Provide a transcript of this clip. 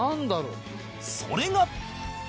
それが